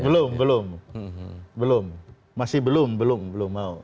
belum belum belum masih belum belum mau